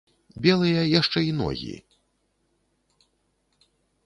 Белыя, яшчэ і ногі.